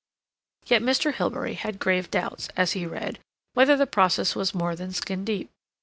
Yet Mr. Hilbery had grave doubts, as he read, whether the process was more than skin deep.